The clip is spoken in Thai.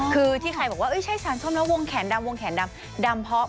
คือที่ใครบอกว่าใช้สารส้มแล้ววงแขนดำดำ